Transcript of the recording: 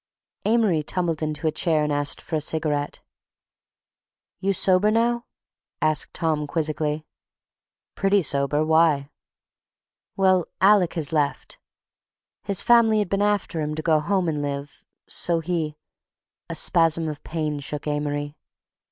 Amory tumbled into a chair and asked for a cigarette. "You sober now?" asked Tom quizzically. "Pretty sober. Why?" "Well, Alec has left. His family had been after him to go home and live, so he—" A spasm of pain shook Amory.